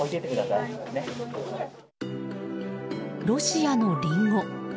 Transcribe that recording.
ロシアのリンゴ。